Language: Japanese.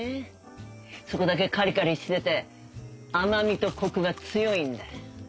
そこだけカリカリしてて甘みとコクが強いんだ。